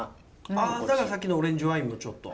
あだからさっきのオレンジワインもちょっと。